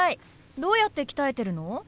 どうやって鍛えてるの？